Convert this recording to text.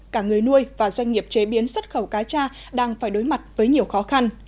cả người nuôi và doanh nghiệp chế biến xuất khẩu cá tra đang phải đối mặt với nhiều khó khăn